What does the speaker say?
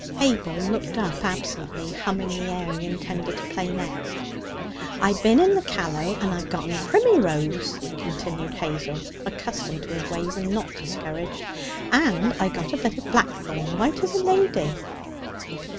Abel looked up absently, humming the air he intended to play next. 'I bin in the Callow, and I've gotten a primmyrose,' continued Hazel, accustomed to his ways, and not discouraged. 'And I got a bit of blackthorn, white as a lady.'